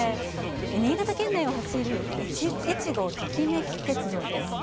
新潟県内を走る、えちごトキめき鉄道です。